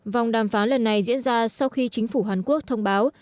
vòng đàm phán lần này diễn ra sau khi chính phủ hàn quốc thông báo